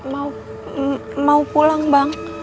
mau mau mau pulang bang